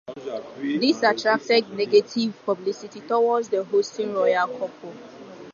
This attracted negative publicity toward the hosting royal couple.